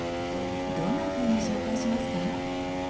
どんなふうに紹介しますか？